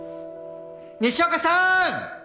西岡さーん！